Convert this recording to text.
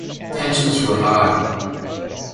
Tensions were high.